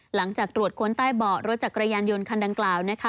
หลังจากตรวจค้นใต้เบาะรถจักรยานยนต์คันดังกล่าวนะคะ